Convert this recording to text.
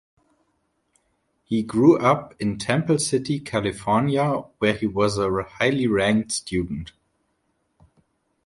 He grew up in Temple City, California, where he was a highly ranked student.